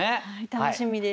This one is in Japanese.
楽しみです。